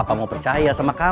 udah ngeri ngeri aja